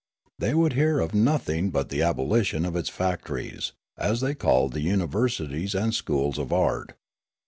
They would hear of nothing but the abolition of its factories, as the} called the universities and schools of art.